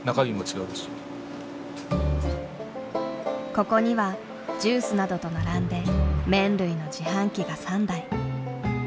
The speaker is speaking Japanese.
ここにはジュースなどと並んで麺類の自販機が３台。